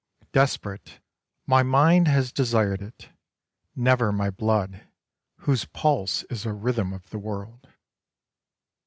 Desperate, my mind has desired it : never my blood, whose pulse is a rhythm of the world.